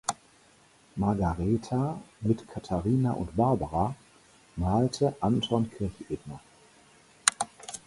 Margaretha mit Katharina und Barbara malte Anton Kirchebner.